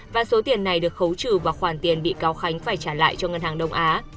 và số tiền này được khấu trừ vào khoản tiền bị cáo khánh phải trả lại cho ngân hàng đông á